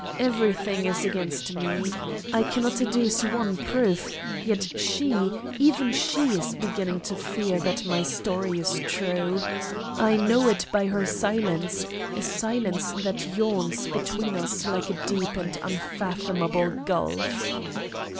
Everything is against me. I cannot adduce one proof; yet she, even she, is beginning to fear that my story is true. I know it by her silence, a silence that yawns between us like a deep and unfathomable gulf."